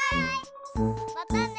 またね！